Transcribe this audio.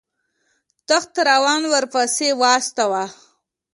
تخت روان یې ورپسې واستاوه.